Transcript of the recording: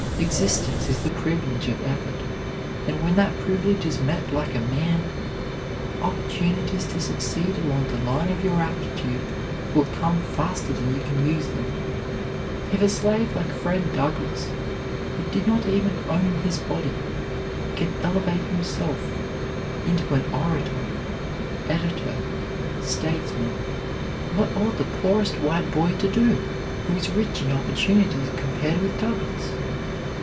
Existence is the privilege of effort, and when that privilege is met like a man, opportunities to succeed along the line of your aptitude will come faster than you can use them. If a slave like Fred Douglass, who did not even own his body, can elevate himself into an orator, editor, statesman, what ought the poorest white boy to do, who is rich in opportunities compared with Douglass?